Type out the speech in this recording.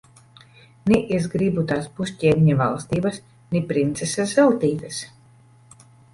Ni es gribu tās pusķēniņa valstības, ni princeses Zeltītes.